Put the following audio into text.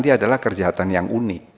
dia adalah kejahatan yang unik